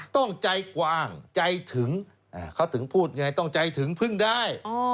ต้องใจกวางใจถึงเขาถึงพูดไงต้องใจถึงพึ่งได้